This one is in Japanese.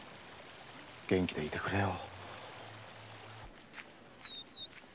元気でいてくれよ。